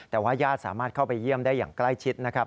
แต่ว่าญาติสามารถเข้าไปเยี่ยมได้อย่างใกล้ชิดนะครับ